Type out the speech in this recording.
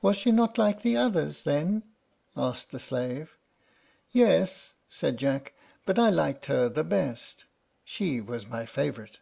"Was she not like the others, then?" asked the slave. "Yes," said Jack; "but I liked her the best; she was my favorite."